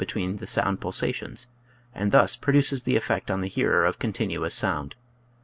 between the sound pulsations, and thus pro duces the effect on the hearer of continuous sound.